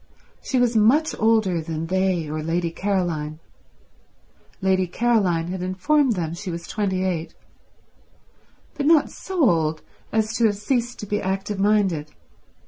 She was much older than they or Lady Caroline—Lady Caroline had informed them she was twenty eight—but not so old as to have ceased to be active minded.